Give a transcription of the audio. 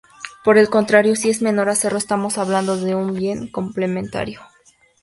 Por el contrario, si es menor a cero, estamos hablando de un bien complementario.